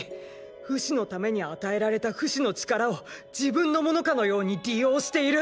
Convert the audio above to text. フシのために与えられたフシの力を自分の物かのように利用している！